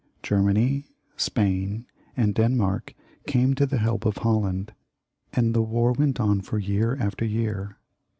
Germany, Spain, and Denmark came to the help of Holland, and the war went on for year after year.